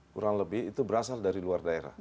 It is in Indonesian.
kurang lebih itu berasal dari luar daerah